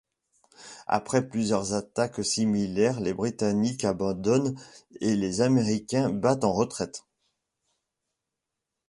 Après plusieurs attaques similaires, les Britanniques abandonnent et les Américains battent en retraite.